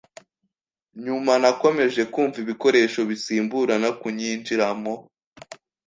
Nyuma nakomeje kumva ibikoresho bisimburana kunyinjiramo